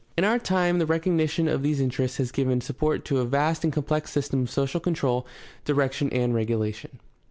In our own time the recognition of these interests has given support to a vast and complex system of social control, direc tion, and regulation.